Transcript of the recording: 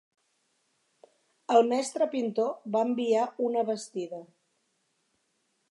El mestre pintor va enviar una bastida